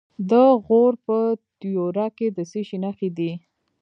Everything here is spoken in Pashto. د غور په تیوره کې د څه شي نښې دي؟